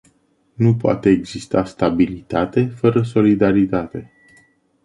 Nu poate exista stabilitate fără solidaritate.